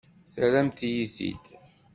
Terram-iyi-t-id.